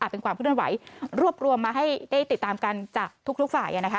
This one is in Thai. เป็นความเคลื่อนไหวรวบรวมมาให้ได้ติดตามกันจากทุกฝ่าย